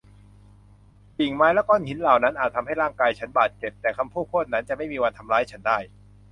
กิ่งไม้และก้อนหินเหล่านั้นอาจทำให้ร่างกายฉันบาดเจ็บ แต่คำพูดพวกนั้นจะไม่มีวันทำร้ายฉันได้